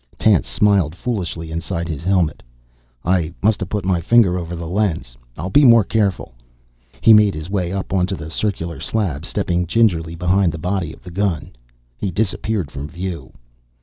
Tance smiled foolishly inside his helmet. "I must have put my finger over the lens. I'll be more careful." He made his way up onto the circular slab, stepping gingerly behind the body of the gun. He disappeared from view.